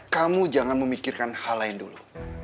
kamu jangan memikirkan hal lain dulu